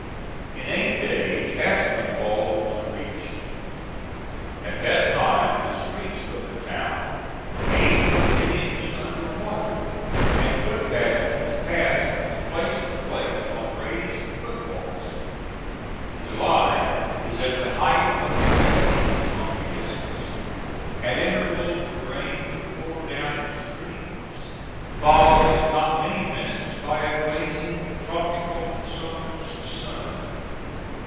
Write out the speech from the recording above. In eight days Aspinwall was reached. At that time the streets of the town were eight or ten inches under water, and foot passengers passed from place to place on raised foot walks. July is at the height of the wet season, on the Isthmus. At intervals the rain would pour down in streams, followed in not many minutes by a blazing, tropical summer's sun.